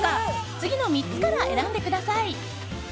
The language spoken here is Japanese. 次の３つから選んでください。